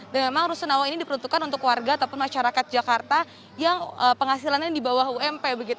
dan memang rusunawa ini diperuntukkan untuk warga ataupun masyarakat jakarta yang penghasilannya di bawah ump